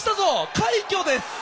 快挙です！